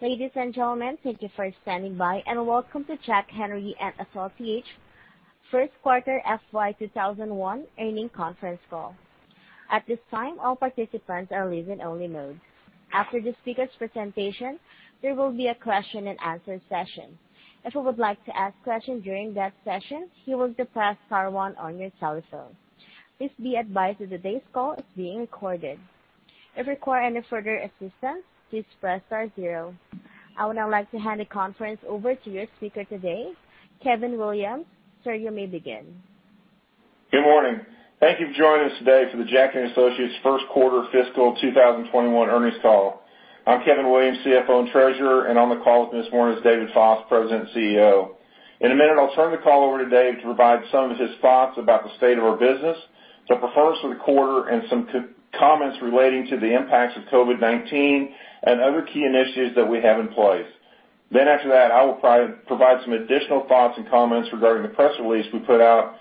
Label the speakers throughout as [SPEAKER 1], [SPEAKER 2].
[SPEAKER 1] Ladies and gentlemen, thank you for standing by, and welcome to Jack Henry & Associates' First Quarter FY 2021 Earnings Conference Call. At this time, all participants are in listen-only mode. After the speaker's presentation, there will be a question and answer session. If you would like to ask questions during that session, you will press star one on your telephone. Please be advised that today's call is being recorded. If you require any further assistance, please press star zero. I would now like to hand the conference over to your speaker today, Kevin Williams. Sir, you may begin.
[SPEAKER 2] Good morning. Thank you for joining us today for the Jack Henry & Associates' First Quarter Fiscal 2021 Earnings Call. I'm Kevin Williams, CFO and Treasurer, and on the call with me this morning is David Foss, President and CEO. In a minute, I'll turn the call over to Dave to provide some of his thoughts about the state of our business, the performance of the quarter, and some comments relating to the impacts of COVID-19 and other key initiatives that we have in place. Then after that, I will provide some additional thoughts and comments regarding the press release we put out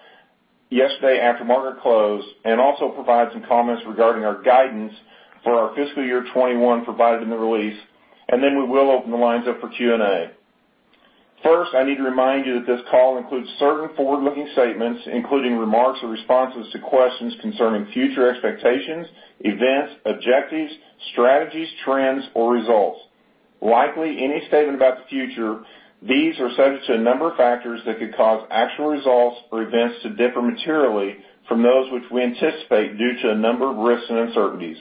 [SPEAKER 2] yesterday after market close, and also provide some comments regarding our guidance for our fiscal year 2021 provided in the release. And then we will open the lines up for Q&A. First, I need to remind you that this call includes certain forward-looking statements, including remarks or responses to questions concerning future expectations, events, objectives, strategies, trends, or results. Likely any statement about the future. These are subject to a number of factors that could cause actual results or events to differ materially from those which we anticipate due to a number of risks and uncertainties.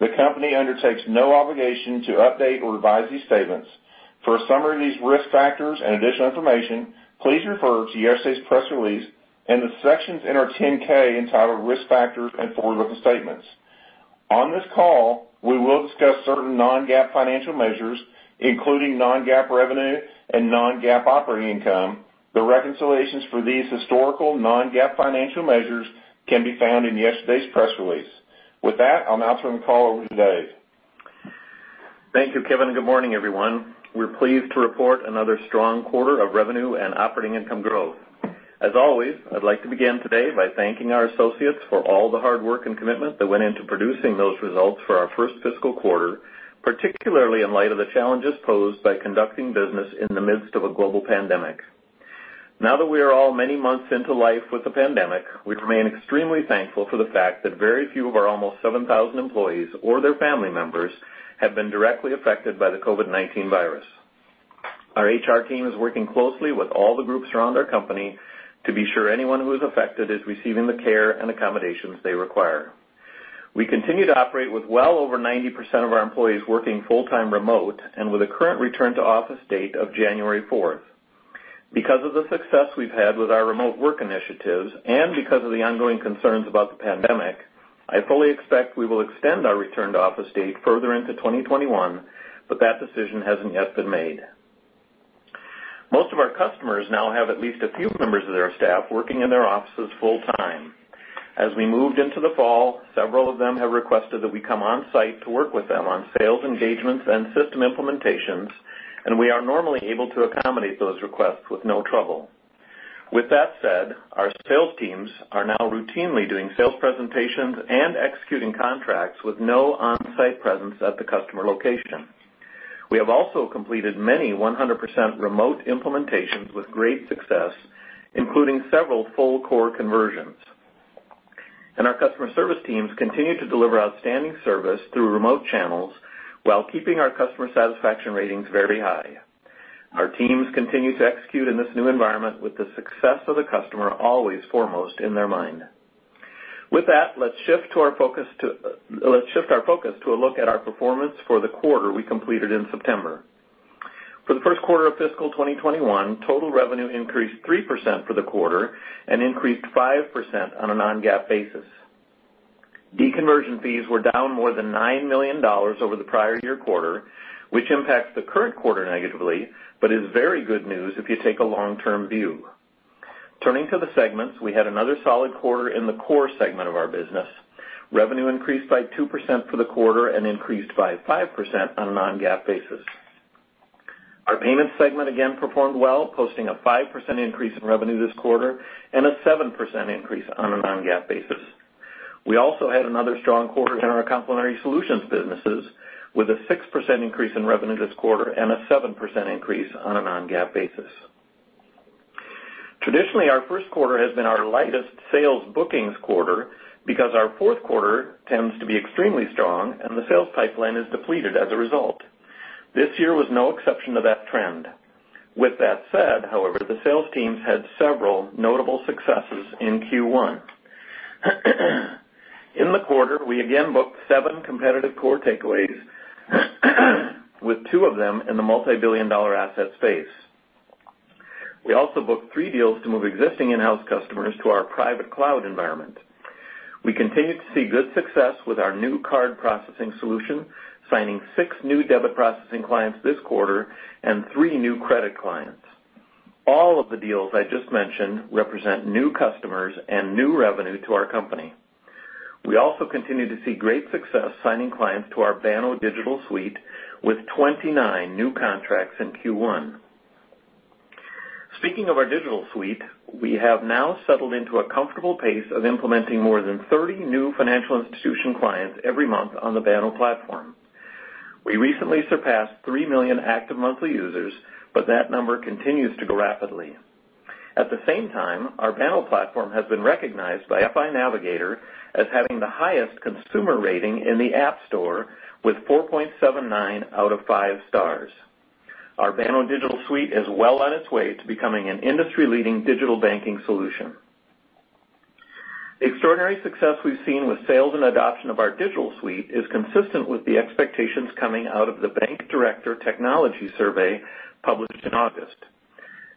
[SPEAKER 2] The company undertakes no obligation to update or revise these statements. For a summary of these risk factors and additional information, please refer to yesterday's press release and the sections in our 10-K entitled Risk Factors and Forward-Looking Statements. On this call, we will discuss certain non-GAAP financial measures, including non-GAAP revenue and non-GAAP operating income. The reconciliations for these historical non-GAAP financial measures can be found in yesterday's press release. With that, I'll now turn the call over to Dave.
[SPEAKER 3] Thank you, Kevin, and good morning, everyone. We're pleased to report another strong quarter of revenue and operating income growth. As always, I'd like to begin today by thanking our associates for all the hard work and commitment that went into producing those results for our first fiscal quarter, particularly in light of the challenges posed by conducting business in the midst of a global pandemic. Now that we are all many months into life with the pandemic, we remain extremely thankful for the fact that very few of our almost 7,000 employees or their family members have been directly affected by the COVID-19 virus. Our HR team is working closely with all the groups around our company to be sure anyone who is affected is receiving the care and accommodations they require. We continue to operate with well over 90% of our employees working full-time remote and with a current return to office date of January 4th. Because of the success we've had with our remote work initiatives and because of the ongoing concerns about the pandemic, I fully expect we will extend our return to office date further into 2021, but that decision hasn't yet been made. Most of our customers now have at least a few members of their staff working in their offices full-time. As we moved into the fall, several of them have requested that we come on-site to work with them on sales engagements and system implementations, and we are normally able to accommodate those requests with no trouble. With that said, our sales teams are now routinely doing sales presentations and executing contracts with no on-site presence at the customer location. We have also completed many 100% remote implementations with great success, including several full-core conversions, and our customer service teams continue to deliver outstanding service through remote channels while keeping our customer satisfaction ratings very high. Our teams continue to execute in this new environment with the success of the customer always foremost in their mind. With that, let's shift our focus to a look at our performance for the quarter we completed in September. For the first quarter of fiscal 2021, total revenue increased 3% for the quarter and increased 5% on a non-GAAP basis. Deconversion fees were down more than $9 million over the prior year quarter, which impacts the current quarter negatively, but is very good news if you take a long-term view. Turning to the segments, we had another solid quarter in the core segment of our business. Revenue increased by 2% for the quarter and increased by 5% on a non-GAAP basis. Our payments segment again performed well, posting a 5% increase in revenue this quarter and a 7% increase on a non-GAAP basis. We also had another strong quarter in our complementary solutions businesses with a 6% increase in revenue this quarter and a 7% increase on a non-GAAP basis. Traditionally, our first quarter has been our lightest sales bookings quarter because our fourth quarter tends to be extremely strong, and the sales pipeline is depleted as a result. This year was no exception to that trend. With that said, however, the sales teams had several notable successes in Q1. In the quarter, we again booked seven competitive core takeaways, with two of them in the multi-billion-dollar asset space. We also booked three deals to move existing in-house customers to our private cloud environment. We continue to see good success with our new card processing solution, signing six new debit processing clients this quarter and three new credit clients. All of the deals I just mentioned represent new customers and new revenue to our company. We also continue to see great success signing clients to our Banno Digital Suite with 29 new contracts in Q1. Speaking of our digital suite, we have now settled into a comfortable pace of implementing more than 30 new financial institution clients every month on the Banno platform. We recently surpassed 3 million active monthly users, but that number continues to go rapidly. At the same time, our Banno platform has been recognized by FI Navigator as having the highest consumer rating in the App Store with 4.79 out of 5 stars. Our Banno Digital Suite is well on its way to becoming an industry-leading Digital banking solution. The extraordinary success we've seen with sales and adoption of our digital suite is consistent with the expectations coming out of the Bank Director Technology Survey published in August.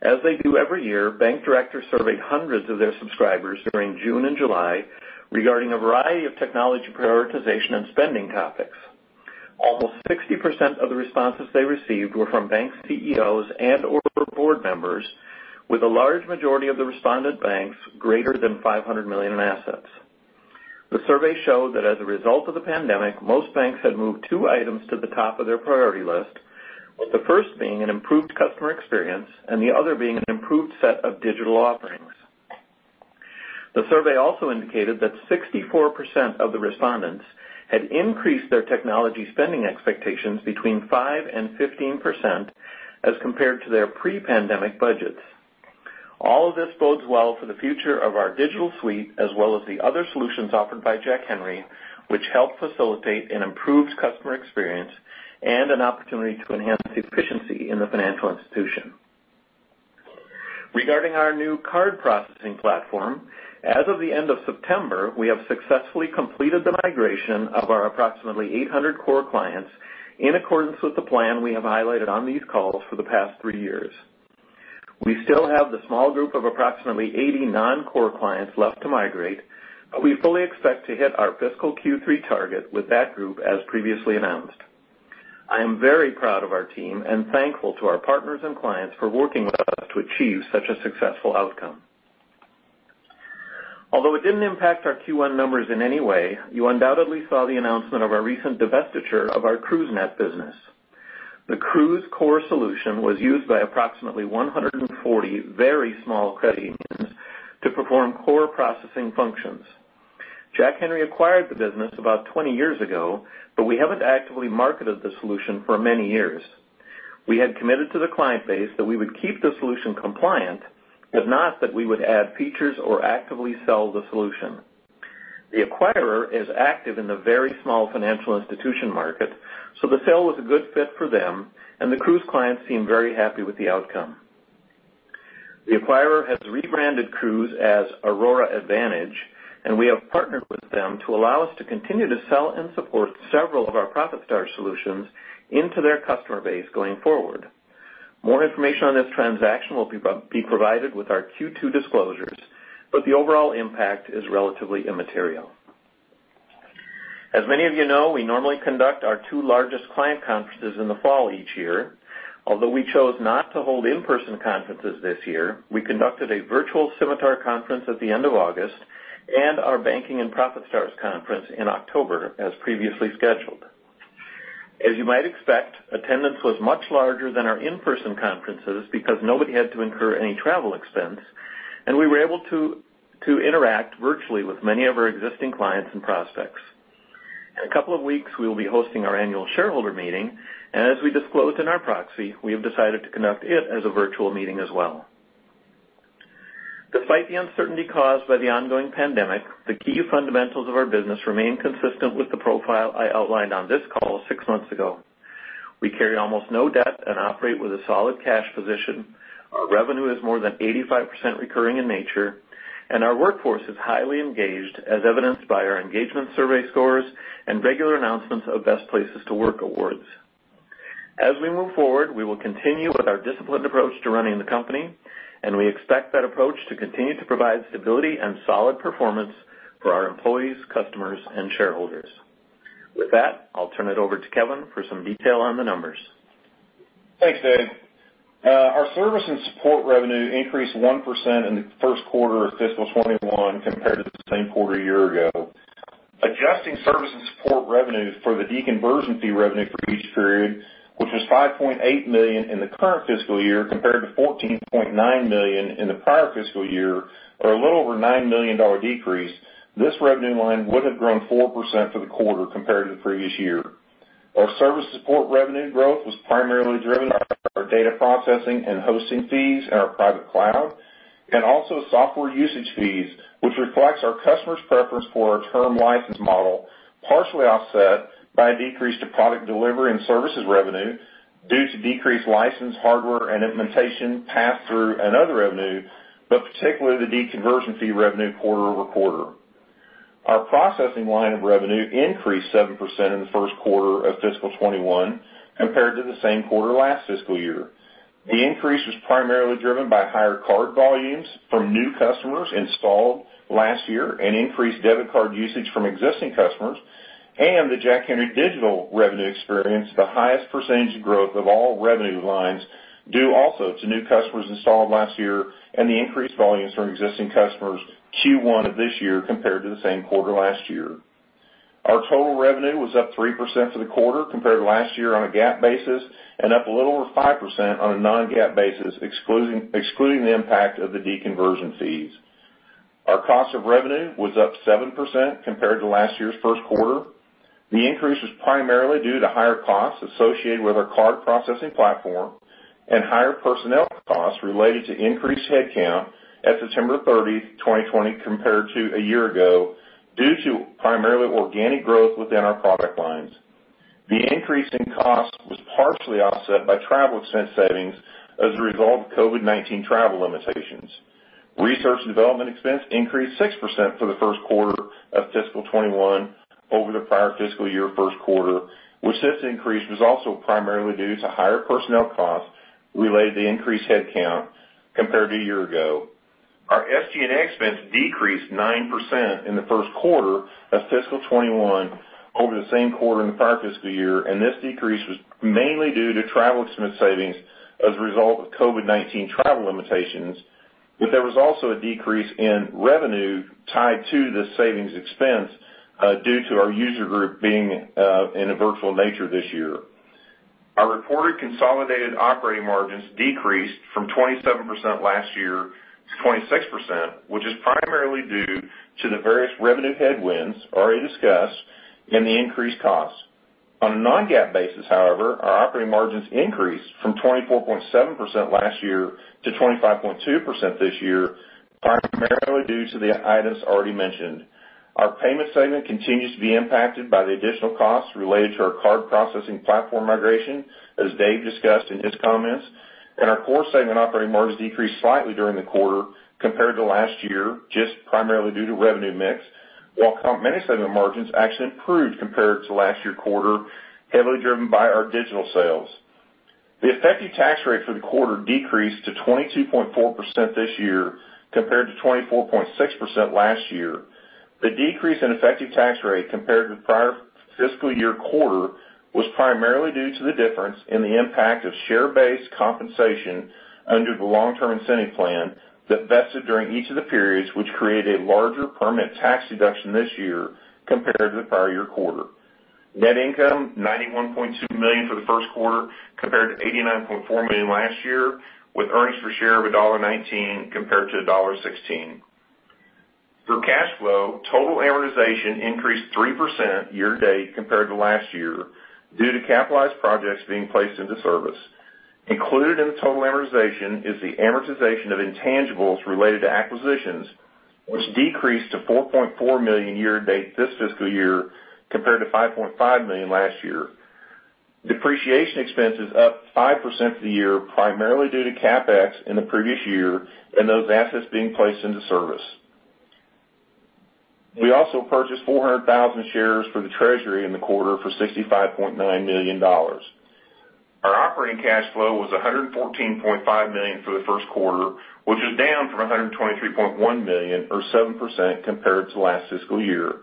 [SPEAKER 3] As they do every year, Bank Director surveyed hundreds of their subscribers during June and July regarding a variety of technology prioritization and spending topics. Almost 60% of the responses they received were from bank CEOs and/or board members, with a large majority of the respondent banks greater than $500 million in assets. The survey showed that as a result of the pandemic, most banks had moved two items to the top of their priority list, with the first being an improved customer experience and the other being an improved set of digital offerings. The survey also indicated that 64% of the respondents had increased their technology spending expectations between 5%-15% as compared to their pre-pandemic budgets. All of this bodes well for the future of our digital suite as well as the other solutions offered by Jack Henry, which help facilitate an improved customer experience and an opportunity to enhance efficiency in the financial institution. Regarding our new card processing platform, as of the end of September, we have successfully completed the migration of our approximately 800 core clients in accordance with the plan we have highlighted on these calls for the past three years. We still have the small group of approximately 80 non-core clients left to migrate, but we fully expect to hit our fiscal Q3 target with that group as previously announced. I am very proud of our team and thankful to our partners and clients for working with us to achieve such a successful outcome. Although it didn't impact our Q1 numbers in any way, you undoubtedly saw the announcement of our recent divestiture of our CruiseNet business. The Cruise core solution was used by approximately 140 very small credit unions to perform core processing functions. Jack Henry acquired the business about 20 years ago, but we haven't actively marketed the solution for many years. We had committed to the client base that we would keep the solution compliant, but not that we would add features or actively sell the solution. The acquirer is active in the very small financial institution market, so the sale was a good fit for them, and the Cruise clients seemed very happy with the outcome. The acquirer has rebranded Cruise as Aurora Advantage, and we have partnered with them to allow us to continue to sell and support several of our ProfitStars solutions into their customer base going forward. More information on this transaction will be provided with our Q2 disclosures, but the overall impact is relatively immaterial. As many of you know, we normally conduct our two largest client conferences in the fall each year. Although we chose not to hold in-person conferences this year, we conducted a virtual seminar conference at the end of August and our Banking and ProfitStars Conference in October as previously scheduled. As you might expect, attendance was much larger than our in-person conferences because nobody had to incur any travel expense, and we were able to interact virtually with many of our existing clients and prospects. In a couple of weeks, we will be hosting our annual shareholder meeting, and as we disclosed in our proxy, we have decided to conduct it as a virtual meeting as well. Despite the uncertainty caused by the ongoing pandemic, the key fundamentals of our business remain consistent with the profile I outlined on this call six months ago. We carry almost no debt and operate with a solid cash position. Our revenue is more than 85% recurring in nature, and our workforce is highly engaged, as evidenced by our engagement survey scores and regular announcements of Best Places to Work awards. As we move forward, we will continue with our disciplined approach to running the company, and we expect that approach to continue to provide stability and solid performance for our employees, customers, and shareholders. With that, I'll turn it over to Kevin for some detail on the numbers.
[SPEAKER 2] Thanks, Dave. Our service and support revenue increased 1% in the first quarter of fiscal 2021 compared to the same quarter a year ago. Adjusting service and support revenue for the deconversion fee revenue for each period, which was $5.8 million in the current fiscal year compared to $14.9 million in the prior fiscal year, or a little over $9 million decrease, this revenue line would have grown 4% for the quarter compared to the previous year. Our service support revenue growth was primarily driven by our data processing and hosting fees and our private cloud, and also software usage fees, which reflects our customer's preference for our term license model, partially offset by a decrease to product delivery and services revenue due to decreased license, hardware, and implementation, pass-through, and other revenue, but particularly the deconversion fee revenue quarter over quarter. Our processing line of revenue increased 7% in the first quarter of fiscal 2021 compared to the same quarter last fiscal year. The increase was primarily driven by higher card volumes from new customers installed last year and increased debit card usage from existing customers, and the Jack Henry digital revenue experienced the highest percentage of growth of all revenue lines due also to new customers installed last year and the increased volumes from existing customers Q1 of this year compared to the same quarter last year. Our total revenue was up 3% for the quarter compared to last year on a GAAP basis and up a little over 5% on a non-GAAP basis, excluding the impact of the deconversion fees. Our cost of revenue was up 7% compared to last year's first quarter. The increase was primarily due to higher costs associated with our card processing platform and higher personnel costs related to increased headcount at September 30th, 2020, compared to a year ago due to primarily organic growth within our product lines. The increase in costs was partially offset by travel expense savings as a result of COVID-19 travel limitations. Research and development expense increased 6% for the first quarter of fiscal 2021 over the prior fiscal year first quarter, which this increase was also primarily due to higher personnel costs related to increased headcount compared to a year ago. Our SG&A expense decreased 9% in the first quarter of fiscal 2021 over the same quarter in the prior fiscal year, and this decrease was mainly due to travel expense savings as a result of COVID-19 travel limitations, but there was also a decrease in revenue tied to the savings expense due to our user group being in a virtual nature this year. Our reported consolidated operating margins decreased from 27% last year to 26%, which is primarily due to the various revenue headwinds already discussed and the increased costs. On a non-GAAP basis, however, our operating margins increased from 24.7% last year to 25.2% this year, primarily due to the items already mentioned. Our payment segment continues to be impacted by the additional costs related to our card processing platform migration, as Dave discussed in his comments, and our core segment operating margins decreased slightly during the quarter compared to last year, just primarily due to revenue mix, while complementary segment margins actually improved compared to last year's quarter, heavily driven by our digital sales. The effective tax rate for the quarter decreased to 22.4% this year compared to 24.6% last year. The decrease in effective tax rate compared with prior fiscal year quarter was primarily due to the difference in the impact of share-based compensation under the long-term incentive plan that vested during each of the periods, which created a larger permanent tax deduction this year compared to the prior year quarter. Net income, $91.2 million for the first quarter compared to $89.4 million last year, with earnings per share of $1.19 compared to $1.16. For cash flow, total amortization increased 3% year-to-date compared to last year due to capitalized projects being placed into service. Included in the total amortization is the amortization of intangibles related to acquisitions, which decreased to $4.4 million year-to-date this fiscal year compared to $5.5 million last year. Depreciation expenses up 5% for the year, primarily due to CapEx in the previous year and those assets being placed into service. We also purchased 400,000 shares for the treasury in the quarter for $65.9 million. Our operating cash flow was $114.5 million for the first quarter, which was down from $123.1 million, or 7% compared to last fiscal year.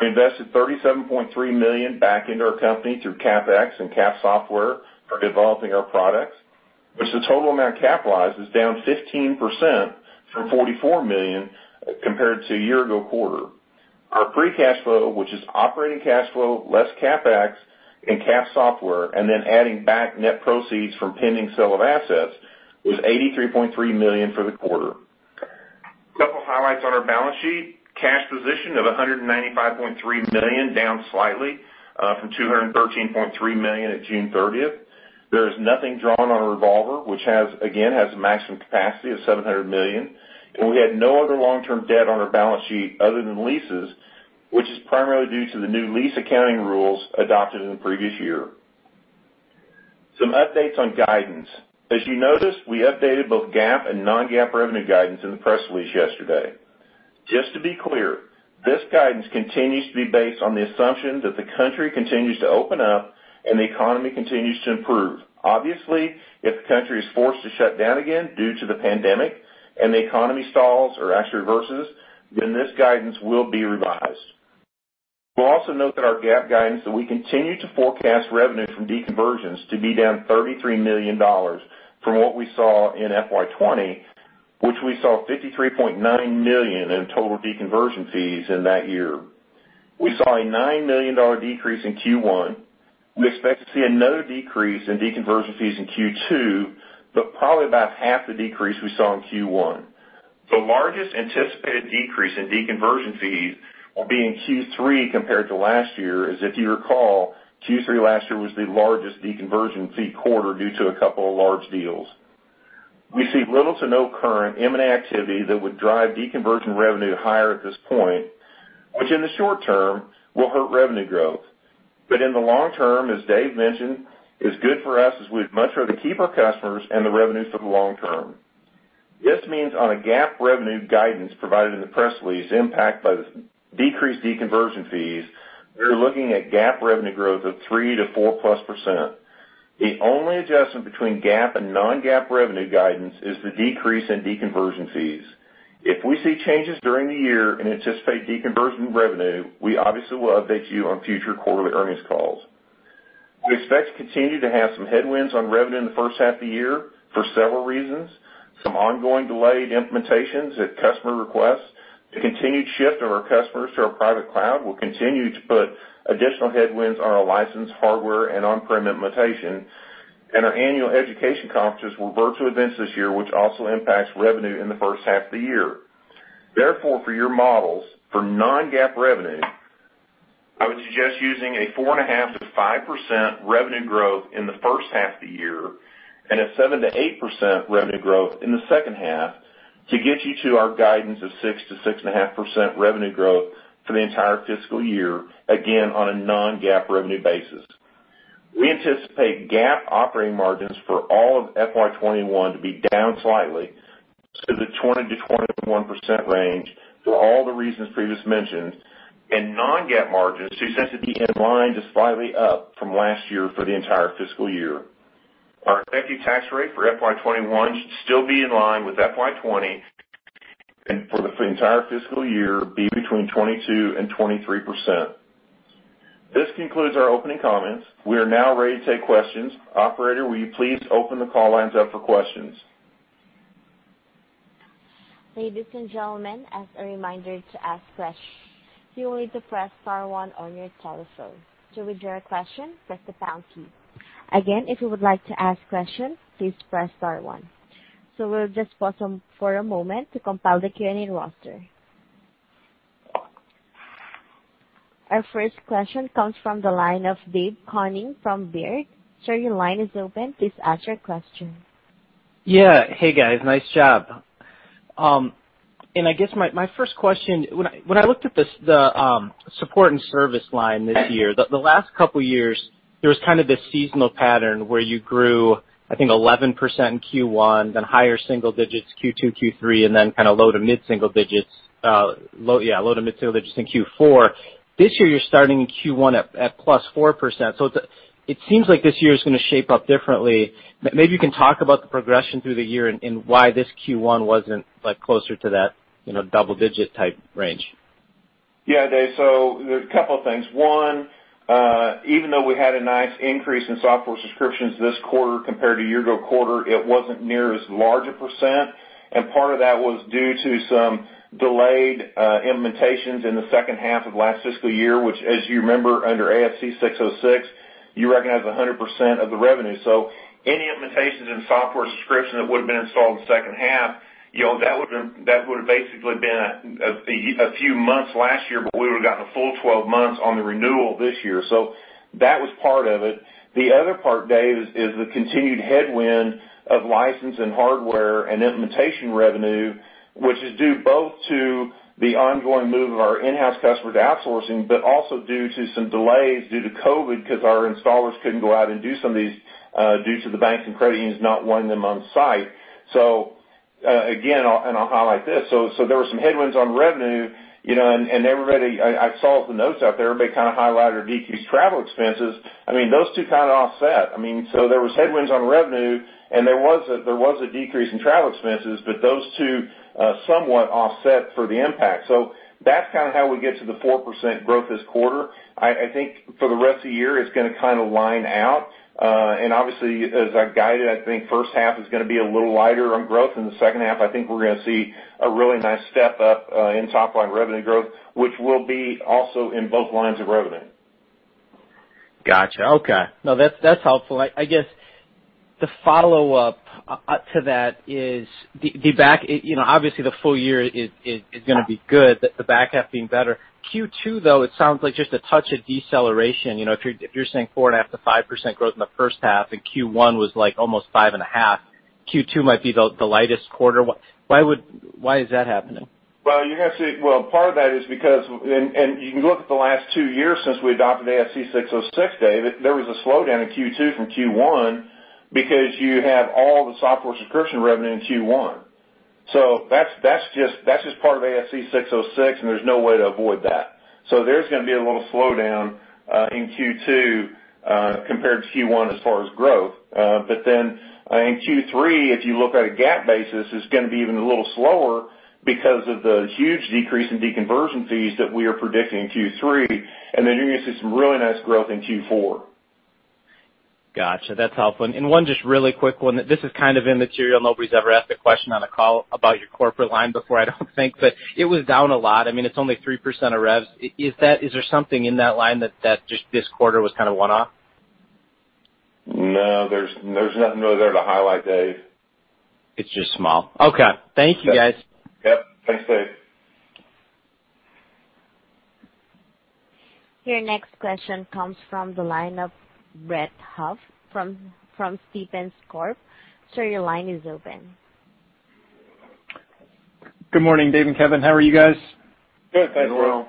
[SPEAKER 2] We invested $37.3 million back into our company through CapEx and Cap Software for developing our products, which the total amount capitalized is down 15% from $44 million compared to a year-ago quarter. Our free cash flow, which is operating cash flow less CapEx and Cap Software, and then adding back net proceeds from pending sale of assets, was $83.3 million for the quarter. A couple of highlights on our balance sheet: cash position of $195.3 million, down slightly from $213.3 million at June 30th. There is nothing drawn on a revolver, which again has a maximum capacity of $700 million, and we had no other long-term debt on our balance sheet other than leases, which is primarily due to the new lease accounting rules adopted in the previous year. Some updates on guidance. As you noticed, we updated both GAAP and non-GAAP revenue guidance in the press release yesterday. Just to be clear, this guidance continues to be based on the assumption that the country continues to open up and the economy continues to improve. Obviously, if the country is forced to shut down again due to the pandemic and the economy stalls or actually reverses, then this guidance will be revised. We'll also note that our GAAP guidance that we continue to forecast revenue from deconversions to be down $33 million from what we saw in FY 2020, which we saw $53.9 million in total deconversion fees in that year. We saw a $9 million decrease in Q1. We expect to see another decrease in deconversion fees in Q2, but probably about half the decrease we saw in Q1. The largest anticipated decrease in deconversion fees will be in Q3 compared to last year, as if you recall, Q3 last year was the largest deconversion fee quarter due to a couple of large deals. We see little to no current M&A activity that would drive deconversion revenue higher at this point, which in the short term will hurt revenue growth, but in the long term, as Dave mentioned, it's good for us as we'd much rather keep our customers and the revenue for the long term. This means on a GAAP revenue guidance provided in the press release impacted by the decreased deconversion fees, we're looking at GAAP revenue growth of 3%-4%+. The only adjustment between GAAP and non-GAAP revenue guidance is the decrease in deconversion fees. If we see changes during the year and anticipate deconversion revenue, we obviously will update you on future quarterly earnings calls. We expect to continue to have some headwinds on revenue in the first half of the year for several reasons. Some ongoing delayed implementations at customer requests, the continued shift of our customers to our private cloud will continue to put additional headwinds on our license, hardware, and on-prem implementation, and our annual education conferences were virtual events this year, which also impacts revenue in the first half of the year. Therefore, for your models, for non-GAAP revenue, I would suggest using a 4.5%-5% revenue growth in the first half of the year and a 7%-8% revenue growth in the second half to get you to our guidance of 6%-6.5% revenue growth for the entire fiscal year, again on a non-GAAP revenue basis. We anticipate GAAP operating margins for all of FY 2021 to be down slightly to the 20%-21% range for all the reasons previously mentioned, and non-GAAP margins do tend to be in line to slightly up from last year for the entire fiscal year. Our effective tax rate for FY 2021 should still be in line with FY 2020 and for the entire fiscal year be between 22% and 23%. This concludes our opening comments. We are now ready to take questions. Operator, will you please open the call lines up for questions?
[SPEAKER 1] Ladies and gentlemen, as a reminder to ask questions, you will need to press star one on your telephone. To withdraw a question, press the pound key. Again, if you would like to ask questions, please press star one. So we'll just pause for a moment to compile the Q&A roster. Our first question comes from the line of Dave Koning from Baird. Sir, your line is open. Please ask your question.
[SPEAKER 4] Yeah. Hey, guys. Nice job. And I guess my first question, when I looked at the support and service line this year, the last couple of years, there was kind of this seasonal pattern where you grew, I think, 11% in Q1, then higher single digits Q2, Q3, and then kind of low to mid-single digits, yeah, low to mid-single digits in Q4. This year, you're starting in Q1 at +4%. So it seems like this year is going to shape up differently. Maybe you can talk about the progression through the year and why this Q1 wasn't closer to that double-digit type range.
[SPEAKER 2] Yeah, Dave. So there's a couple of things. One, even though we had a nice increase in software subscriptions this quarter compared to a year-ago quarter, it wasn't near as large a percent. And part of that was due to some delayed implementations in the second half of last fiscal year, which, as you remember, under ASC 606, you recognize 100% of the revenue. So any implementations in software subscription that would have been installed in the second half, that would have basically been a few months last year, but we would have gotten a full 12 months on the renewal this year. So that was part of it. The other part, Dave, is the continued headwind of license and hardware and implementation revenue, which is due both to the ongoing move of our in-house customer to outsourcing, but also due to some delays due to COVID because our installers couldn't go out and do some of these due to the banks and credit unions not wanting them on site. So again, and I'll highlight this, so there were some headwinds on revenue, and everybody, I saw the notes out there, everybody kind of highlighted or decreased travel expenses. I mean, those two kind of offset. I mean, so there was headwinds on revenue, and there was a decrease in travel expenses, but those two somewhat offset for the impact. So that's kind of how we get to the 4% growth this quarter. I think for the rest of the year, it's going to kind of line out. Obviously, as I guided, I think first half is going to be a little lighter on growth, and the second half, I think we're going to see a really nice step up in top-line revenue growth, which will be also in both lines of revenue.
[SPEAKER 5] Gotcha. Okay. No, that's helpful. I guess the follow-up to that is the back, obviously, the full year is going to be good, the back half being better. Q2, though, it sounds like just a touch of deceleration. If you're saying 4.5%-5% growth in the first half, and Q1 was almost 5.5%, Q2 might be the lightest quarter. Why is that happening?
[SPEAKER 2] Well, you're going to see, part of that is because, and you can look at the last two years since we adopted ASC 606, Dave. There was a slowdown in Q2 from Q1 because you have all the software subscription revenue in Q1. So that's just part of ASC 606, and there's no way to avoid that. So there's going to be a little slowdown in Q2 compared to Q1 as far as growth. But then in Q3, if you look at a GAAP basis, it's going to be even a little slower because of the huge decrease in deconversion fees that we are predicting in Q3. And then you're going to see some really nice growth in Q4.
[SPEAKER 5] Gotcha. That's helpful. And one just really quick one. This is kind of immaterial. Nobody's ever asked a question on a call about your corporate line before, I don't think, but it was down a lot. I mean, it's only 3% of revs. Is there something in that line that just this quarter was kind of one-off?
[SPEAKER 2] No, there's nothing really there to highlight, Dave.
[SPEAKER 3] It's just small.
[SPEAKER 5] Okay. Thank you, guys.
[SPEAKER 2] Yep. Thanks, Dave.
[SPEAKER 1] Your next question comes from the line of Brett Huff from Stephens Inc. Sir, your line is open.
[SPEAKER 6] Good morning, Dave and Kevin. How are you guys?
[SPEAKER 3] Good. Thanks, Will.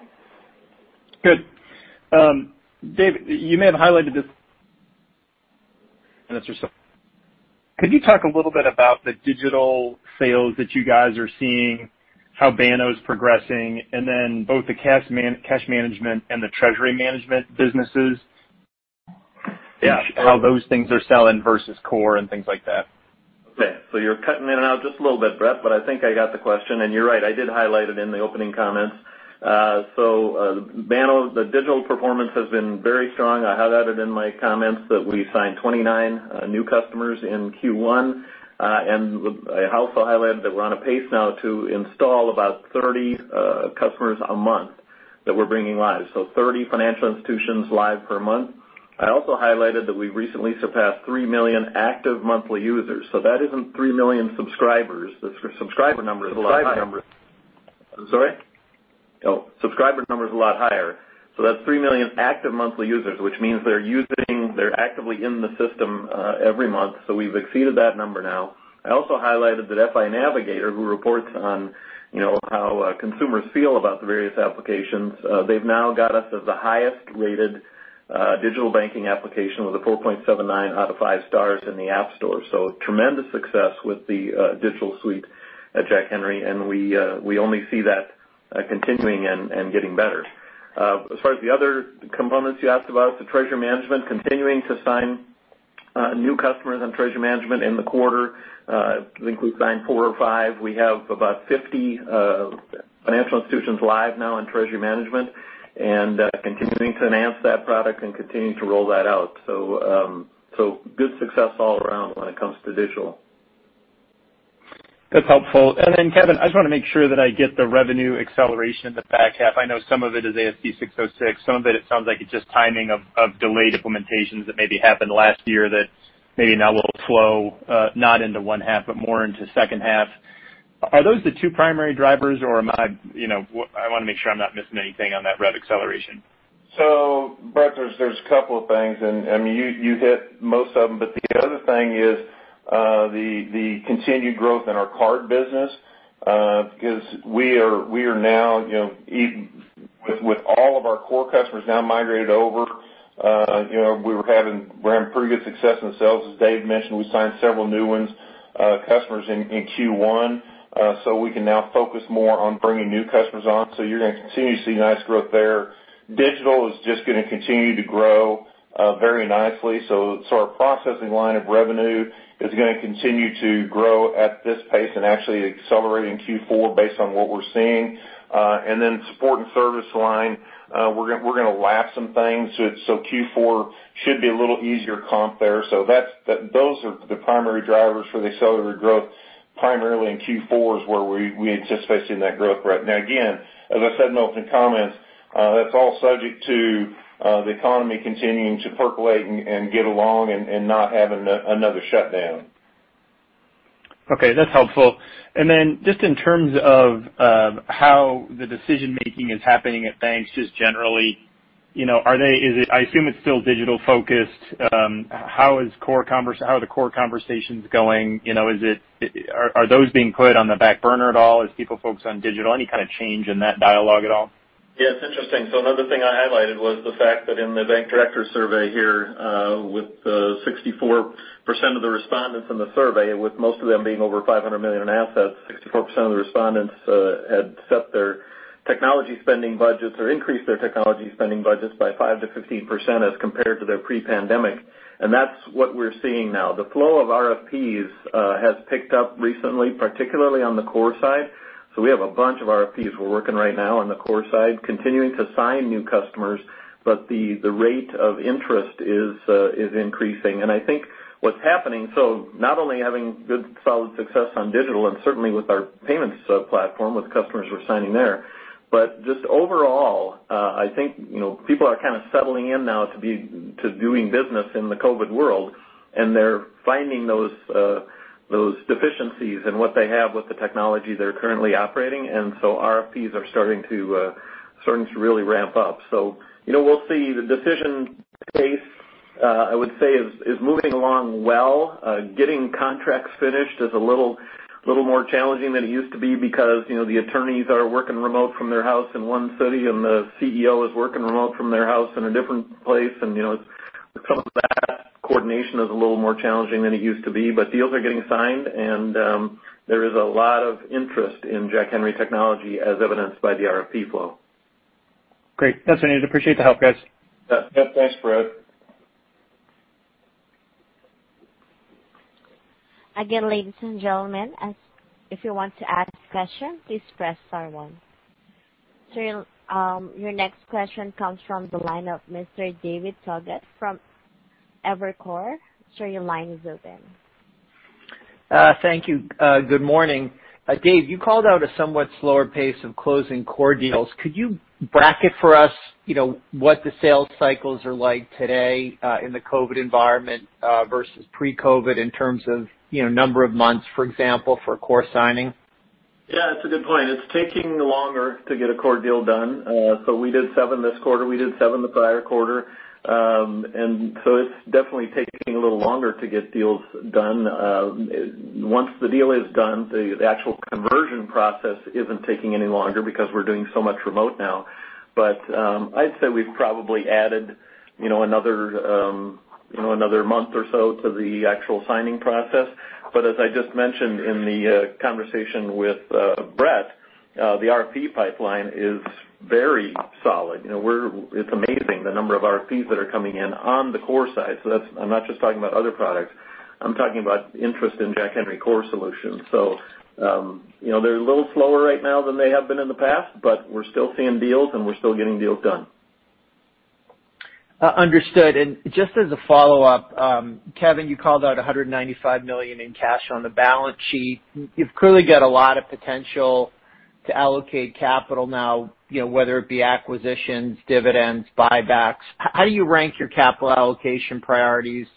[SPEAKER 6] Good. Dave, you may have highlighted this answer, so could you talk a little bit about the digital sales that you guys are seeing, how Banno's progressing, and then both the Cash Management and the Treasury Management businesses, how those things are selling versus core and things like that?
[SPEAKER 3] Okay. So you're cutting in and out just a little bit, Brett, but I think I got the question, and you're right. I did highlight it in the opening comments. So Banno, the digital performance has been very strong. I have added in my comments that we signed 29 new customers in Q1. I also highlighted that we're on a pace now to install about 30 customers a month that we're bringing live. So 30 financial institutions live per month. I also highlighted that we've recently surpassed 3 million active monthly users. So that isn't 3 million subscribers. The subscriber number is a lot higher. I'm sorry? Oh, subscriber number is a lot higher. So that's 3 million active monthly users, which means they're using they're actively in the system every month. So we've exceeded that number now. I also highlighted that FI Navigator, who reports on how consumers feel about the various applications, they've now got us as the highest-rated digital banking application with a 4.79 out of 5 stars in the App Store. So tremendous success with the digital suite, Jack Henry, and we only see that continuing and getting better. As far as the other components you asked about, the Treasury Management continuing to sign new customers on Treasury Management in the quarter. I think we signed four or five. We have about 50 financial institutions live now in Treasury Management and continuing to enhance that product and continuing to roll that out. So good success all around when it comes to digital.
[SPEAKER 6] That's helpful. And then, Kevin, I just want to make sure that I get the revenue acceleration in the back half. I know some of it is ASC 606. Some of it, it sounds like it's just timing of delayed implementations that maybe happened last year that maybe now will flow not into one half, but more into second half. Are those the two primary drivers, or am I want to make sure I'm not missing anything on that rev acceleration.
[SPEAKER 2] So, Brett, there's a couple of things. And I mean, you hit most of them, but the other thing is the continued growth in our card business because we are now, with all of our core customers now migrated over, we were having pretty good success in the sales, as Dave mentioned. We signed several new ones, customers in Q1, so we can now focus more on bringing new customers on. So you're going to continue to see nice growth there. Digital is just going to continue to grow very nicely. So our processing line of revenue is going to continue to grow at this pace and actually accelerate in Q4 based on what we're seeing. And then support and service line, we're going to lap some things. So Q4 should be a little easier comp there. So those are the primary drivers for the accelerated growth. Primarily in Q4 is where we anticipate seeing that growth. Now, again, as I said in the opening comments, that's all subject to the economy continuing to percolate and get along and not having another shutdown.
[SPEAKER 6] Okay. That's helpful. And then just in terms of how the decision-making is happening at banks just generally, I assume it's still digital-focused. How are the core conversations going? Are those being put on the back burner at all as people focus on digital? Any kind of change in that dialogue at all?
[SPEAKER 3] Yeah. It's interesting, so another thing I highlighted was the fact that in the Bank Director survey here with 64% of the respondents in the survey, with most of them being over 500 million in assets, 64% of the respondents had set their technology spending budgets or increased their technology spending budgets by 5%-15% as compared to their pre-pandemic, and that's what we're seeing now. The flow of RFPs has picked up recently, particularly on the core side, so we have a bunch of RFPs we're working right now on the core side, continuing to sign new customers, but the rate of interest is increasing. And I think what's happening, so not only having good solid success on digital and certainly with our payments platform with customers we're signing there, but just overall, I think people are kind of settling in now to doing business in the COVID world, and they're finding those deficiencies in what they have with the technology they're currently operating. And so RFPs are starting to really ramp up. So we'll see. The decision pace, I would say, is moving along well. Getting contracts finished is a little more challenging than it used to be because the attorneys are working remote from their house in one city, and the CEO is working remote from their house in a different place. And some of that coordination is a little more challenging than it used to be. But deals are getting signed, and there is a lot of interest in Jack Henry technology, as evidenced by the RFP flow.
[SPEAKER 6] Great. That's it. I appreciate the help, guys.
[SPEAKER 3] Yep. Thanks, Brett.
[SPEAKER 1] Again, ladies and gentlemen, if you want to ask a question, please press star one. Sir, your next question comes from the line of Mr. David Togut from Evercore. Sir, your line is open.
[SPEAKER 7] Thank you. Good morning. Dave, you called out a somewhat slower pace of closing core deals. Could you bracket for us what the sales cycles are like today in the COVID environment versus pre-COVID in terms of number of months, for example, for core signing?
[SPEAKER 3] Yeah. That's a good point. It's taking longer to get a core deal done. So we did seven this quarter. We did seven the prior quarter. And so it's definitely taking a little longer to get deals done. Once the deal is done, the actual conversion process isn't taking any longer because we're doing so much remote now. But I'd say we've probably added another month or so to the actual signing process. But as I just mentioned in the conversation with Brett, the RFP pipeline is very solid. It's amazing the number of RFPs that are coming in on the core side. So I'm not just talking about other products. I'm talking about interest in Jack Henry core solutions. So they're a little slower right now than they have been in the past, but we're still seeing deals, and we're still getting deals done.
[SPEAKER 7] Understood. And just as a follow-up, Kevin, you called out $195 million in cash on the balance sheet. You've clearly got a lot of potential to allocate capital now, whether it be acquisitions, dividends, buybacks. How do you rank your capital allocation priorities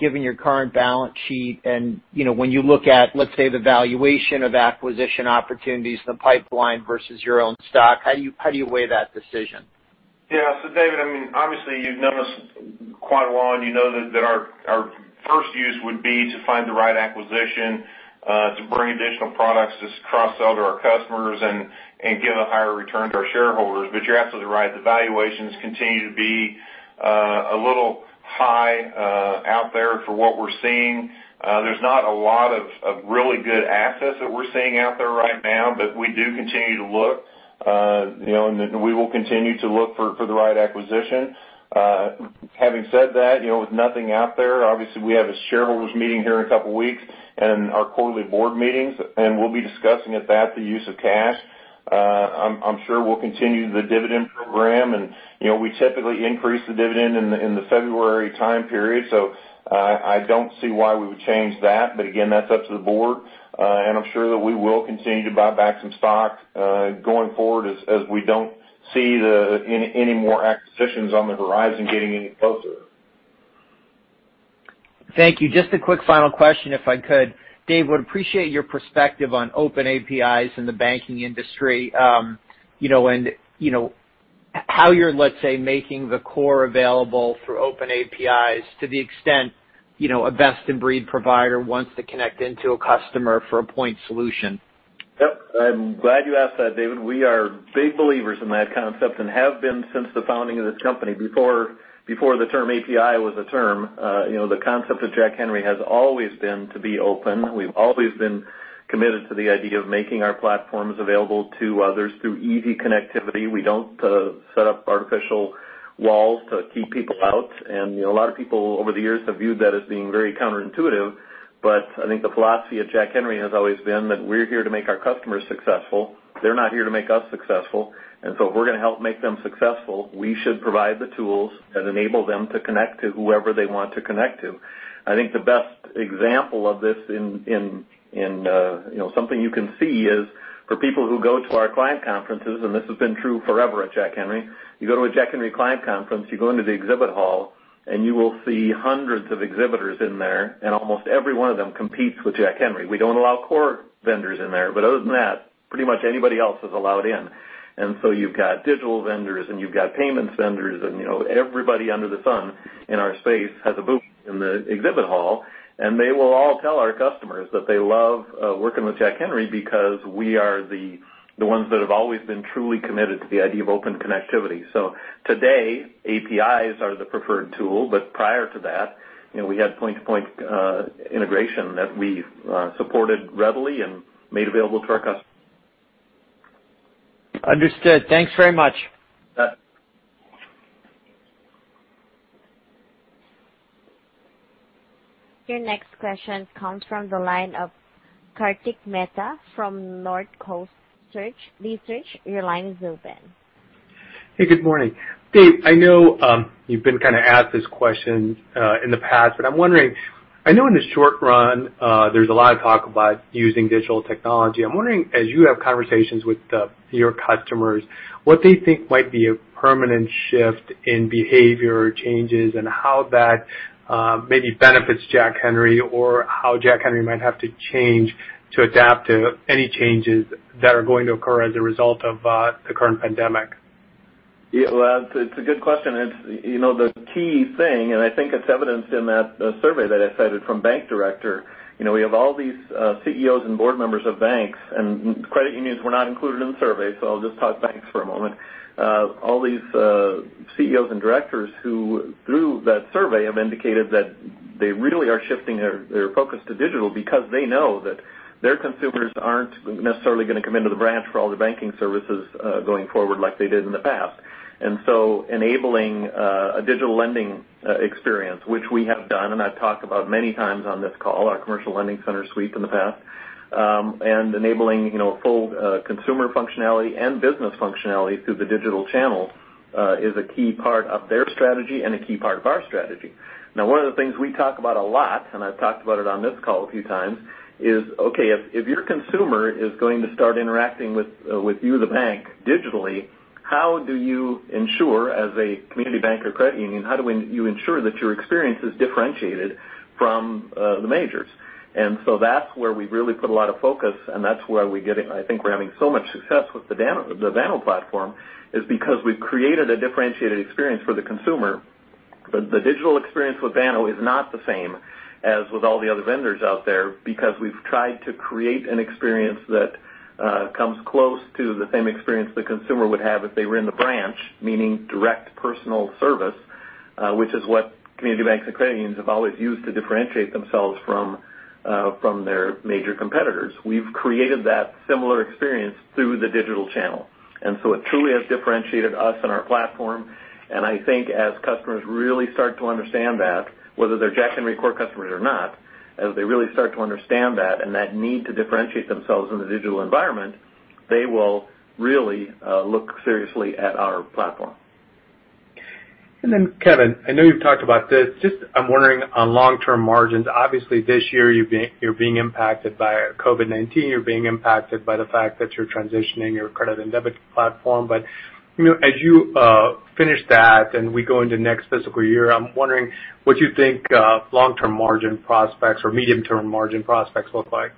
[SPEAKER 7] given your current balance sheet? And when you look at, let's say, the valuation of acquisition opportunities in the pipeline versus your own stock, how do you weigh that decision?
[SPEAKER 2] Yeah. So, David, I mean, obviously, you've known us quite a while, and you know that our first use would be to find the right acquisition to bring additional products to cross-sell to our customers and give a higher return to our shareholders. But you're absolutely right. The valuations continue to be a little high out there for what we're seeing. There's not a lot of really good assets that we're seeing out there right now, but we do continue to look, and we will continue to look for the right acquisition. Having said that, with nothing out there, obviously, we have a shareholders meeting here in a couple of weeks and our quarterly board meetings, and we'll be discussing at that the use of cash. I'm sure we'll continue the dividend program, and we typically increase the dividend in the February time period. So I don't see why we would change that. But again, that's up to the board. And I'm sure that we will continue to buy back some stock going forward as we don't see any more acquisitions on the horizon getting any closer.
[SPEAKER 7] Thank you. Just a quick final question, if I could. Dave, I would appreciate your perspective on open APIs in the banking industry and how you're, let's say, making the core available through open APIs to the extent a best-in-breed provider wants to connect into a customer for a point solution.
[SPEAKER 3] Yep. I'm glad you asked that, David. We are big believers in that concept and have been since the founding of this company. Before the term API was a term, the concept of Jack Henry has always been to be open. We've always been committed to the idea of making our platforms available to others through easy connectivity. We don't set up artificial walls to keep people out. And a lot of people over the years have viewed that as being very counterintuitive. But I think the philosophy at Jack Henry has always been that we're here to make our customers successful. They're not here to make us successful. And so if we're going to help make them successful, we should provide the tools that enable them to connect to whoever they want to connect to. I think the best example of this in something you can see is for people who go to our client conferences, and this has been true forever at Jack Henry. You go to a Jack Henry client conference, you go into the exhibit hall, and you will see hundreds of exhibitors in there, and almost every one of them competes with Jack Henry. We don't allow core vendors in there, but other than that, pretty much anybody else is allowed in. And so you've got digital vendors, and you've got payments vendors, and everybody under the sun in our space has a booth in the exhibit hall. And they will all tell our customers that they love working with Jack Henry because we are the ones that have always been truly committed to the idea of open connectivity. Today, APIs are the preferred tool, but prior to that, we had point-to-point integration that we supported readily and made available to our customers.
[SPEAKER 7] Understood. Thanks very much.
[SPEAKER 1] Your next question comes from the line of Kartik Mehta from Northcoast Research. Your line is open.
[SPEAKER 8] Hey, good morning. Dave, I know you've been kind of asked this question in the past, but I'm wondering, I know in the short run, there's a lot of talk about using digital technology. I'm wondering, as you have conversations with your customers, what they think might be a permanent shift in behavior or changes and how that maybe benefits Jack Henry or how Jack Henry might have to change to adapt to any changes that are going to occur as a result of the current pandemic?
[SPEAKER 3] Yeah. Well, it's a good question. The key thing, and I think it's evidenced in that survey that I cited from Bank Director, we have all these CEOs and board members of banks, and credit unions were not included in the survey, so I'll just talk banks for a moment. All these CEOs and directors who, through that survey, have indicated that they really are shifting their focus to digital because they know that their consumers aren't necessarily going to come into the branch for all the banking services going forward like they did in the past. Enabling a digital lending experience, which we have done, and I've talked about many times on this call, our Commercial Lending Center suite in the past, and enabling full consumer functionality and business functionality through the digital channel is a key part of their strategy and a key part of our strategy. Now, one of the things we talk about a lot, and I've talked about it on this call a few times, is, okay, if your consumer is going to start interacting with you, the bank, digitally, how do you ensure, as a community bank or credit union, how do you ensure that your experience is differentiated from the majors? And so that's where we really put a lot of focus, and that's where we get it. I think we're having so much success with the Banno platform because we've created a differentiated experience for the consumer, but the digital experience with Banno is not the same as with all the other vendors out there because we've tried to create an experience that comes close to the same experience the consumer would have if they were in the branch, meaning direct personal service, which is what community banks and credit unions have always used to differentiate themselves from their major competitors. We've created that similar experience through the digital channel, and so it truly has differentiated us and our platform, and I think as customers really start to understand that, whether they're Jack Henry core customers or not, as they really start to understand that and that need to differentiate themselves in the digital environment, they will really look seriously at our platform.
[SPEAKER 8] Kevin, I know you've talked about this. Just, I'm wondering on long-term margins. Obviously, this year, you're being impacted by COVID-19. You're being impacted by the fact that you're transitioning your credit and debit platform. As you finish that and we go into next fiscal year, I'm wondering what you think long-term margin prospects or medium-term margin prospects look like.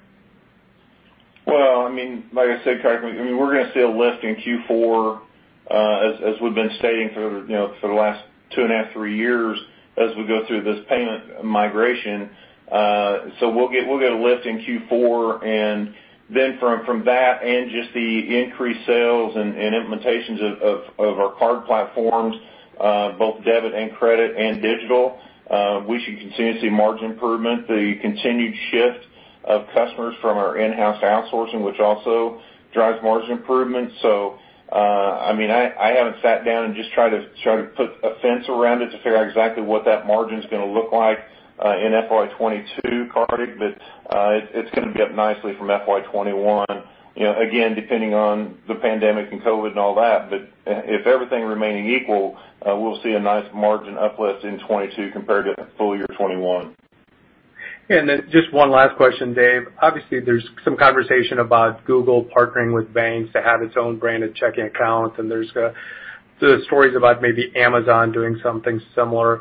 [SPEAKER 2] I mean, like I said, Kevin, I mean, we're going to see a lift in Q4, as we've been stating for the last two and a half, three years, as we go through this payment migration. So we'll get a lift in Q4. And then from that and just the increased sales and implementations of our card platforms, both debit and credit and digital, we should continue to see margin improvement, the continued shift of customers from our in-house outsourcing, which also drives margin improvement. So I mean, I haven't sat down and just tried to put a fence around it to figure out exactly what that margin is going to look like in FY 2022, Kartik, but it's going to be up nicely from FY 2021, again, depending on the pandemic and COVID and all that. But if everything remaining equal, we'll see a nice margin uplift in 2022 compared to full year 2021.
[SPEAKER 8] And then just one last question, Dave. Obviously, there's some conversation about Google partnering with banks to have its own branded checking accounts, and there's the stories about maybe Amazon doing something similar.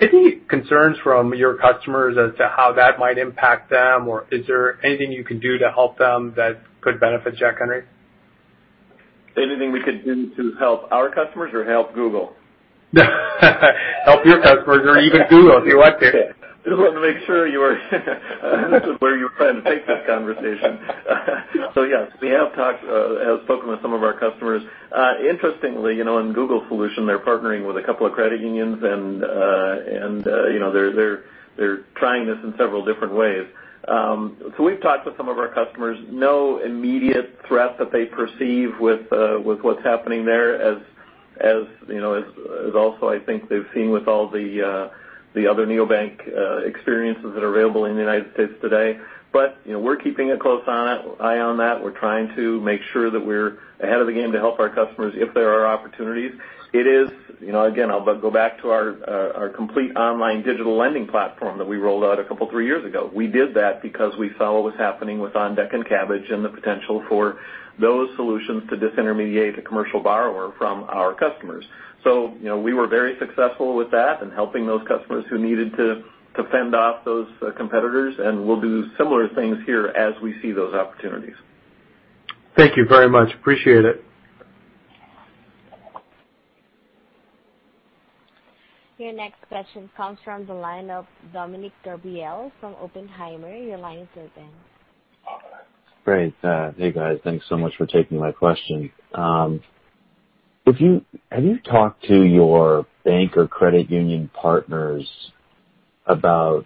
[SPEAKER 8] Any concerns from your customers as to how that might impact them, or is there anything you can do to help them that could benefit Jack Henry?
[SPEAKER 3] Anything we could do to help our customers or help Google?
[SPEAKER 8] Help your customers or even Google if you want to.
[SPEAKER 3] Just wanted to make sure you were where you were planning to take this conversation. So yes, we have spoken with some of our customers. Interestingly, in Google's solution, they're partnering with a couple of credit unions, and they're trying this in several different ways. So we've talked with some of our customers. No immediate threat that they perceive with what's happening there and also, I think, they've seen with all the other neobank experiences that are available in the United States today. But we're keeping a close eye on that. We're trying to make sure that we're ahead of the game to help our customers if there are opportunities. It is, again, I'll go back to our complete online digital lending platform that we rolled out a couple of three years ago. We did that because we saw what was happening with OnDeck and Kabbage and the potential for those solutions to disintermediate a commercial borrower from our customers. So we were very successful with that and helping those customers who needed to fend off those competitors. And we'll do similar things here as we see those opportunities.
[SPEAKER 8] Thank you very much. Appreciate it.
[SPEAKER 1] Your next question comes from the line of Dominick Gabriele from Oppenheimer. Your line is open.
[SPEAKER 9] Great. Hey, guys. Thanks so much for taking my question. Have you talked to your bank or credit union partners about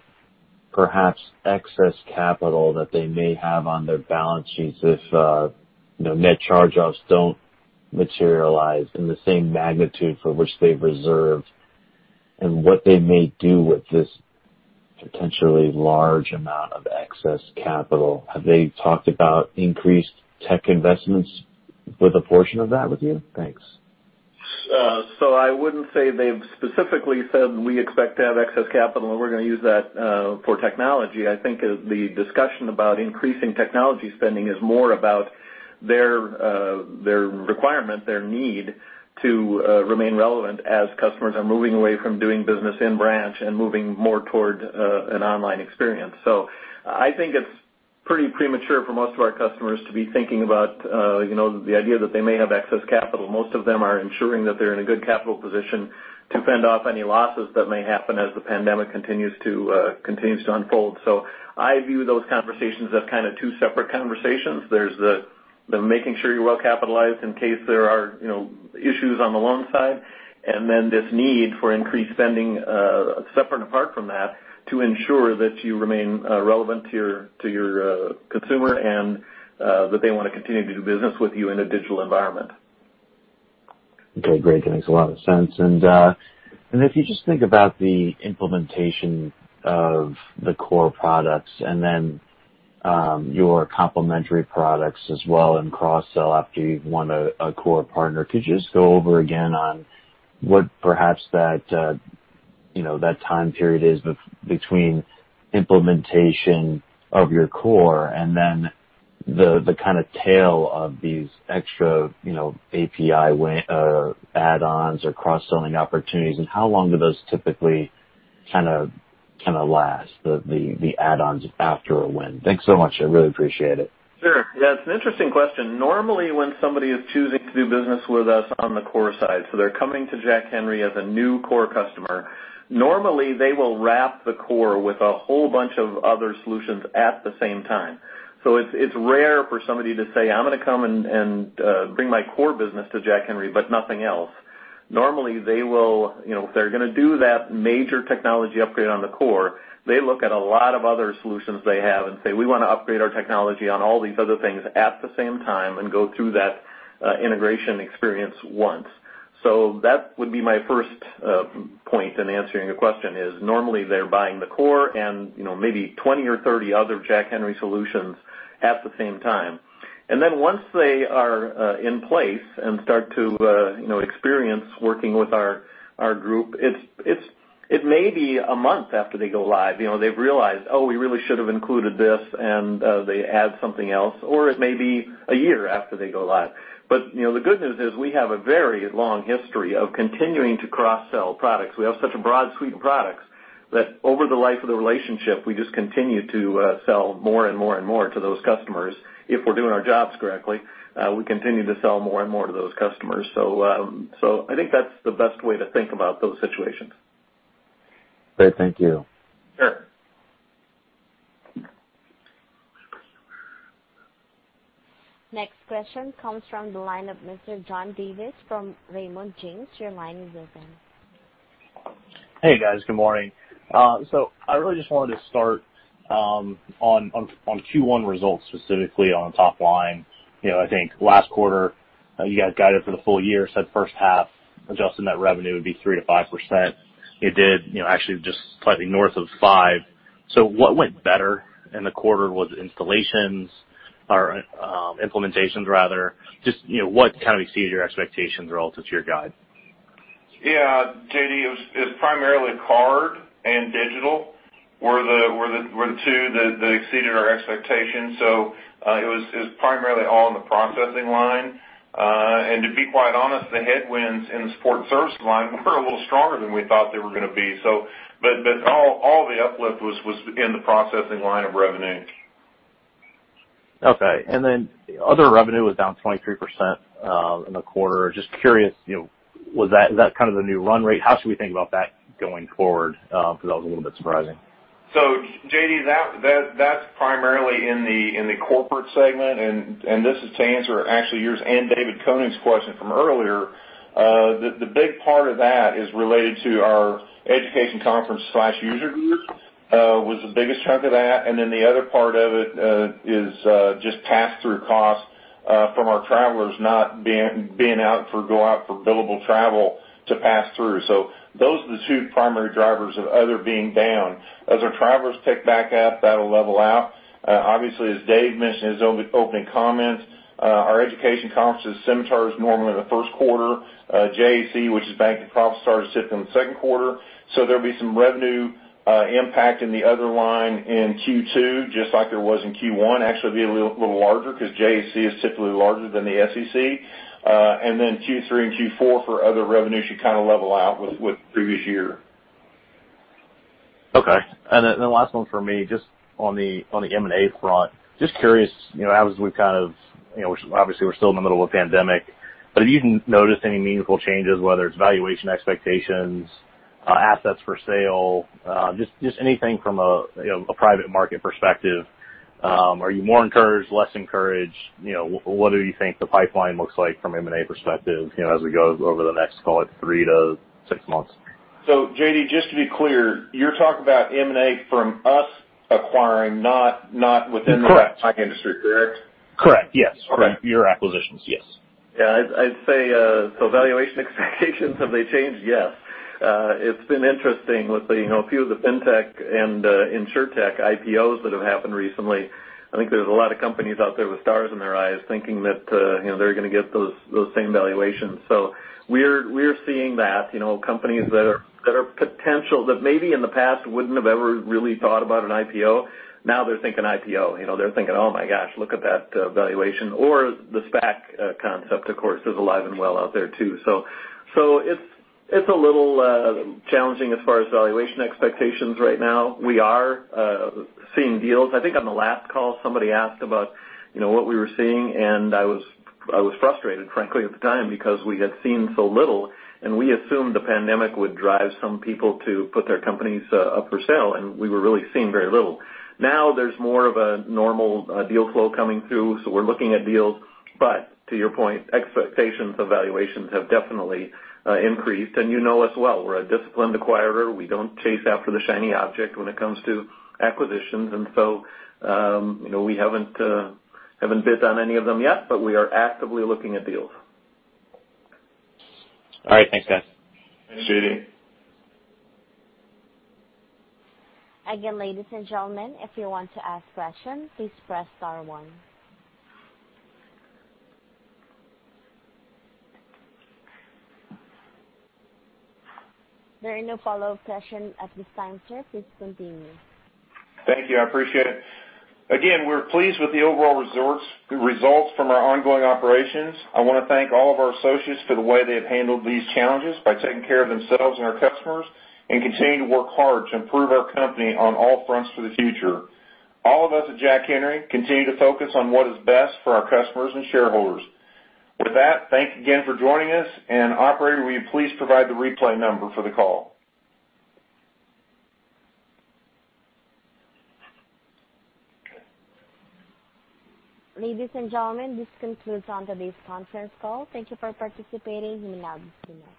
[SPEAKER 9] perhaps excess capital that they may have on their balance sheets if net charge-offs don't materialize in the same magnitude for which they've reserved and what they may do with this potentially large amount of excess capital? Have they talked about increased tech investments with a portion of that with you? Thanks.
[SPEAKER 3] So I wouldn't say they've specifically said, "We expect to have excess capital, and we're going to use that for technology." I think the discussion about increasing technology spending is more about their requirement, their need to remain relevant as customers are moving away from doing business in branch and moving more toward an online experience. So I think it's pretty premature for most of our customers to be thinking about the idea that they may have excess capital. Most of them are ensuring that they're in a good capital position to fend off any losses that may happen as the pandemic continues to unfold. So I view those conversations as kind of two separate conversations. There's the making sure you're well capitalized in case there are issues on the loan side, and then this need for increased spending separate and apart from that to ensure that you remain relevant to your consumer and that they want to continue to do business with you in a digital environment.
[SPEAKER 9] Okay. Great. That makes a lot of sense. And then if you just think about the implementation of the core products and then your complementary products as well and cross-sell after you've won a core partner, could you just go over again on what perhaps that time period is between implementation of your core and then the kind of tail of these extra API add-ons or cross-selling opportunities, and how long do those typically kind of last, the add-ons after a win? Thanks so much. I really appreciate it.
[SPEAKER 3] Sure. Yeah. It's an interesting question. Normally, when somebody is choosing to do business with us on the core side, so they're coming to Jack Henry as a new core customer, normally they will wrap the core with a whole bunch of other solutions at the same time. So it's rare for somebody to say, "I'm going to come and bring my core business to Jack Henry, but nothing else." Normally, if they're going to do that major technology upgrade on the core, they look at a lot of other solutions they have and say, "We want to upgrade our technology on all these other things at the same time and go through that integration experience once." So that would be my first point in answering your question is normally they're buying the core and maybe 20 or 30 other Jack Henry solutions at the same time. Then once they are in place and start to experience working with our group, it may be a month after they go live. They've realized, "Oh, we really should have included this," and they add something else, or it may be a year after they go live. But the good news is we have a very long history of continuing to cross-sell products. We have such a broad suite of products that over the life of the relationship, we just continue to sell more and more and more to those customers. If we're doing our jobs correctly, we continue to sell more and more to those customers. So I think that's the best way to think about those situations.
[SPEAKER 9] Great. Thank you.
[SPEAKER 3] Sure.
[SPEAKER 1] Next question comes from the line of Mr. John Davis from Raymond James. Your line is open.
[SPEAKER 10] Hey, guys. Good morning. So I really just wanted to start on Q1 results, specifically on the top line. I think last quarter, you guys guided for the full year, said first half adjusted net revenue would be 3%-5%. It did actually just slightly north of 5%. So what went better in the quarter was installations or implementations, rather. Just what kind of exceeded your expectations relative to your guide?
[SPEAKER 2] Yeah. JD, it was primarily card and digital were the two that exceeded our expectations, so it was primarily all in the processing line, and to be quite honest, the headwinds in the support service line were a little stronger than we thought they were going to be, but all the uplift was in the processing line of revenue.
[SPEAKER 10] Okay. And then other revenue was down 23% in the quarter. Just curious, is that kind of the new run rate? How should we think about that going forward? Because that was a little bit surprising.
[SPEAKER 2] So JD, that's primarily in the corporate segment. And this is to answer actually yours and David Koning's question from earlier. The big part of that is related to our education conference/user group was the biggest chunk of that. And then the other part of it is just pass-through costs from our travelers not being out for go out for billable travel to pass through. So those are the two primary drivers of other being down. As our travelers pick back up, that'll level out. Obviously, as Dave mentioned in his opening comments, our education conferences and seminars normally in the first quarter. JAC, which is Banno and ProfitStars, typically in the second quarter. So there'll be some revenue impact in the other line in Q2, just like there was in Q1. Actually, it'll be a little larger because JAC is typically larger than the SEC. And then Q3 and Q4 for other revenue should kind of level out with previous year.
[SPEAKER 10] Okay. And then the last one for me, just on the M&A front. Just curious, as we've kind of obviously, we're still in the middle of a pandemic, but have you noticed any meaningful changes, whether it's valuation expectations, assets for sale, just anything from a private market perspective? Are you more encouraged, less encouraged? What do you think the pipeline looks like from M&A perspective as we go over the next, call it, three-to-six months?
[SPEAKER 2] So JD, just to be clear, you're talking about M&A from us acquiring, not within the fintech industry, correct?
[SPEAKER 10] Correct. Yes. Your acquisitions. Yes.
[SPEAKER 3] Yeah. I'd say, so valuation expectations, have they changed? Yes. It's been interesting with a few of the fintech and insurtech IPOs that have happened recently. I think there's a lot of companies out there with stars in their eyes thinking that they're going to get those same valuations. So we're seeing that companies that are potential that maybe in the past wouldn't have ever really thought about an IPO, now they're thinking IPO. They're thinking, "Oh my gosh, look at that valuation." Or the SPAC concept, of course, is alive and well out there too. So it's a little challenging as far as valuation expectations right now. We are seeing deals. I think on the last call, somebody asked about what we were seeing, and I was frustrated, frankly, at the time because we had seen so little, and we assumed the pandemic would drive some people to put their companies up for sale, and we were really seeing very little. Now there's more of a normal deal flow coming through, so we're looking at deals, but to your point, expectations of valuations have definitely increased, and you know us well. We're a disciplined acquirer. We don't chase after the shiny object when it comes to acquisitions, and so we haven't bit on any of them yet, but we are actively looking at deals.
[SPEAKER 11] All right. Thanks, guys.
[SPEAKER 2] Thanks, JD.
[SPEAKER 1] Again, ladies and gentlemen, if you want to ask questions, please press star one. There are no follow-up questions at this time, sir. Please continue.
[SPEAKER 2] Thank you. I appreciate it. Again, we're pleased with the overall results from our ongoing operations. I want to thank all of our associates for the way they have handled these challenges by taking care of themselves and our customers and continue to work hard to improve our company on all fronts for the future. All of us at Jack Henry continue to focus on what is best for our customers and shareholders. With that, thank you again for joining us, and operator, will you please provide the replay number for the call?
[SPEAKER 1] Ladies and gentlemen, this concludes today's conference call. Thank you for participating. You may now disconnect.